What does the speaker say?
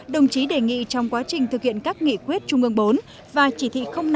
đồng chí đề nghị trong quá trình thực hiện các nghị quyết trung ương bốn và chỉ thị năm